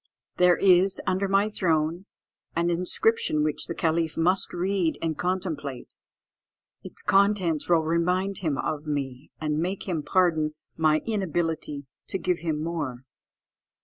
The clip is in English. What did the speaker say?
There is, under my throne, an inscription which the caliph must read and contemplate. Its contents will remind him of me, and make him pardon my inability to give him more."